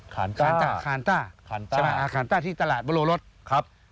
คารต้าคารต้าใช่ไหมครับอาคารต้าที่ตลาดวโรรสครับ